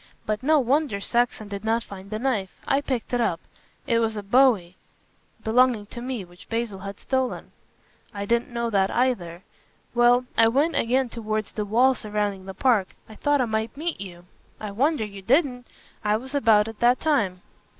But no wonder Saxon did not find the knife. I picked it up. It was a bowie " "Belonging to me, which Basil had stolen." "I didn't know that either. Well, I went again towards the wall surrounding the park. I thought I might meet you." "I wonder you didn't. I was about at that time."